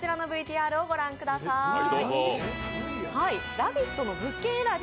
「ラヴィット！」の物件選び